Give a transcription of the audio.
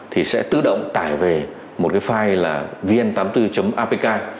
thì sẽ tự động tải về một cái file là vn tám mươi bốn apk